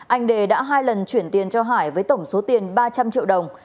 anh đề đã hai lần chuyển tiền cho hải với tổng số tiền ba trăm linh triệu đồng